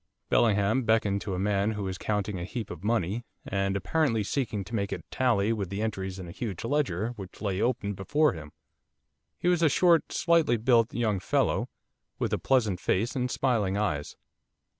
Bellingham beckoned to a man who was counting a heap of money, and apparently seeking to make it tally with the entries in a huge ledger which lay open before him, he was a short, slightly built young fellow, with a pleasant face and smiling eyes.